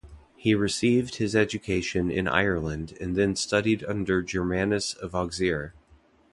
He received his education in Ireland and then studied under Germanus of Auxerre.